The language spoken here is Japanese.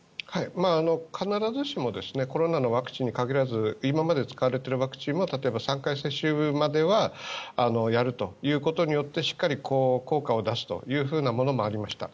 必ずしもコロナのワクチンに限らず今まで使われているワクチンは例えば３回接種まではやるということによってしっかり効果を出すというものもありました。